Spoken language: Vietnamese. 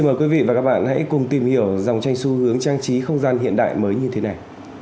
mời quý vị và các bạn hãy cùng tìm hiểu dòng tranh xu hướng trang trí không gian hiện đại mới như thế này